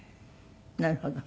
なるほど。